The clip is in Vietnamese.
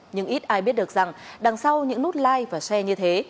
nhưng ít ai biết được rằng đằng sau những nút like và xe như thế